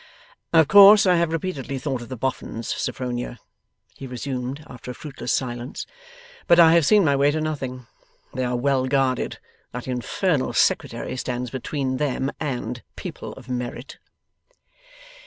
'Of course I have repeatedly thought of the Boffins, Sophronia,' he resumed, after a fruitless silence; 'but I have seen my way to nothing. They are well guarded. That infernal Secretary stands between them and people of merit.